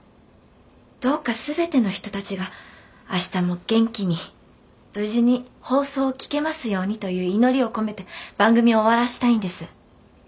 どうか全ての人たちが明日も元気に無事に放送を聞けますようにという祈りを込めて番組を終わらせたいんです。